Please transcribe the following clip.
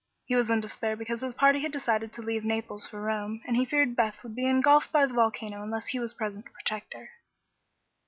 He was in despair because his party had decided to leave Naples for Rome, and he feared Beth would be engulfed by the volcano unless he was present to protect her.